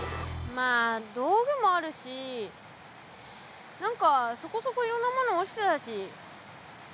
まあ道具もあるし何かそこそこいろんなもの落ちてたしなんとかなるよ。